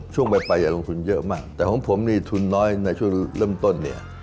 ช่วงไปลงทุนเยอะมากแต่ของผมนี่ทุนน้อยในช่วงเริ่มต้นเนี่ย